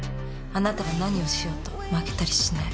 あなたが何をしようと負けたりしない。